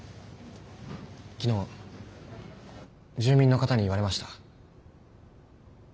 昨日住民の方に言われました。